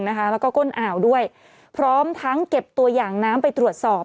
แล้วก็ก้นอ่าวด้วยพร้อมทั้งเก็บตัวอย่างน้ำไปตรวจสอบ